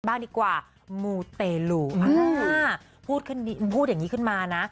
บ้างดีกว่ามูเตลูพูดอย่างนี้ขึ้นมานะ